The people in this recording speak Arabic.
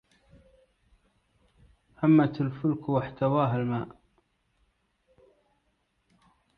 همت الفلك واحتواها الماء